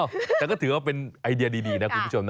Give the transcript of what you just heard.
แต่ก็ถือว่าเป็นไอเดียดีนะคุณผู้ชมนะ